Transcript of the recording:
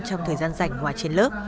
trong thời gian dành hòa trên lớp